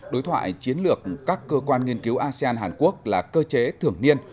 đối thoại chiến lược các cơ quan nghiên cứu asean hàn quốc là cơ chế thường niên